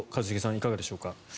いかがでしょうか。